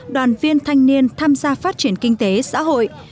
đoàn viên thanh niên tham gia phát triển kinh tế xã hội